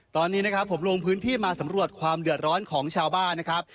ตอนนี้นะครับผมลงพื้นที่มาสำรวจความเดือดร้อนของชาวบ้านนะครับ